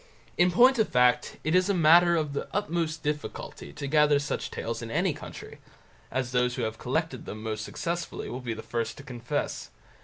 In point of fact, it is a matter of the utmost difficulty to gather such tales in any country, as those who have collected them most successfully will be the first to confess.